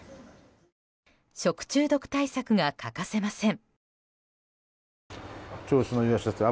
食中毒対策が欠かせません。